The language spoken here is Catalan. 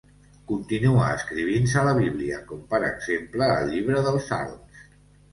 Continua escrivint-se la Bíblia, com per exemple el Llibre dels Salms.